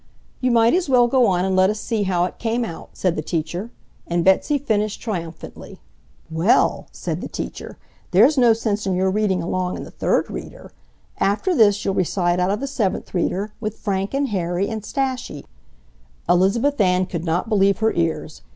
"You might as well go on and let us see how it came out," said the teacher, and Betsy finished triumphantly. "WELL," said the teacher, "there's no sense in your reading along in the third reader. After this you'll recite out of the seventh reader with Frank and Harry and Stashie." Elizabeth Ann could not believe her ears.